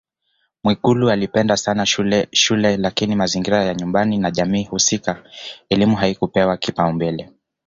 Mwigulu alipenda sana shule lakini mazingira ya nyumbani na jamii husika elimu haikupewa kipaumbele